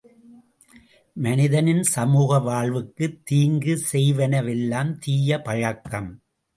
மனிதனின் சமூக வாழ்வுக்குத் தீங்கு செய்வனவெல்லாம் தீய பழக்கம்.